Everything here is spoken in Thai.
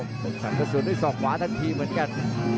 มีการภักด์ทิ้งประสูรด้วยสองขวาทันทีหมดกัน